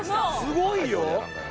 すごいよ！